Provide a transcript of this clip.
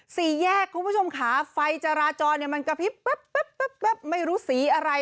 สี่แยกคุณผู้ชมค่ะไฟจราจรเนี่ยมันกระพริบไม่รู้สีอะไร